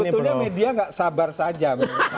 sebetulnya media nggak sabar saja